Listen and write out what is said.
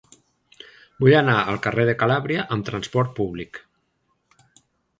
Vull anar al carrer de Calàbria amb trasport públic.